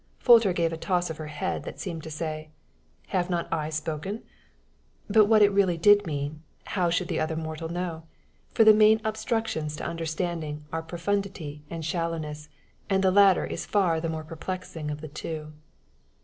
Folter gave a toss of her head that seemed to say, "Have not I spoken?" but what it really did mean, how should other mortal know? for the main obstructions to understanding are profundity and shallowness, and the latter is far the more perplexing of the two.